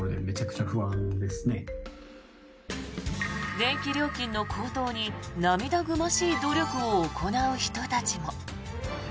電気料金の高騰に涙ぐましい努力を行う人たちも。